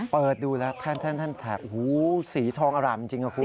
เปิดดูแล้วท่านสีทองอร่ามจริงเหรอคุณ